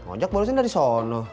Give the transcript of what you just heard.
ojak barusan dari sono